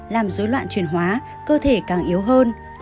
làm dối loạn truyền hóa cơ thể càng yếu hơn